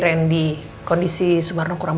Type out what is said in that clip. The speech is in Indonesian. randy kondisi subarno kurang